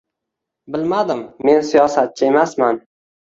- Bilmadim, men siyosatchi emasman...